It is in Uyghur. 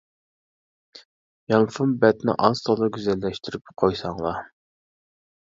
يانفون بەتنى ئاز تولا گۈزەللەشتۈرۈپ قويساڭلار.